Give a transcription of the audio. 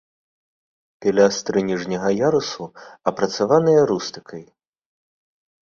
Пілястры ніжняга ярусу апрацаваныя рустыкай.